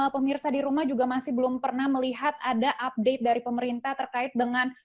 pemirsa di rumah juga masih belum pernah melihat ada update dari pemerintah terkait dengan